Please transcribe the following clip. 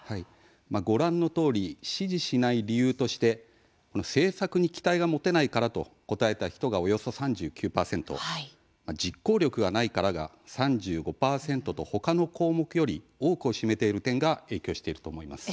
ご覧のとおり支持しない理由として政策に期待が持てないからと答えた人が、およそ３９％実行力がないからが３５％と他の項目より多くを占めている点が影響していると思います。